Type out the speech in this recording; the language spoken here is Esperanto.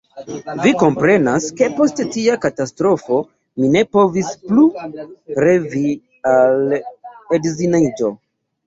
Vi komprenas, ke post tia katastrofo mi ne povis plu revi al edziniĝo.